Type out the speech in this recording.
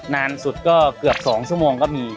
นานสุดก็เกือบ๒ชั่วโมงก็มี